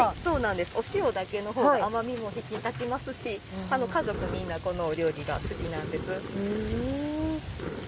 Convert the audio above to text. お塩だけのほうが甘みも引き立ちますし家族みんなこの料理が好きなんです。